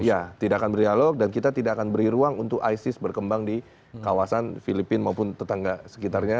iya tidak akan berdialog dan kita tidak akan beri ruang untuk isis berkembang di kawasan filipina maupun tetangga sekitarnya